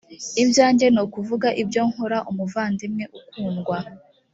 ibyanjye ni ukuvuga ibyo nkora umuvandimwe ukundwa